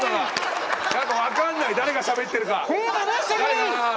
やっぱ分かんない誰がしゃべってるか。